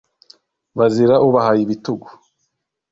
Bazira ubahaye ibitugu;